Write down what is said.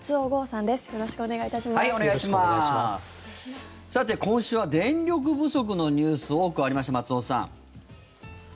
さて、今週は電力不足のニュース多くありました、松尾さん。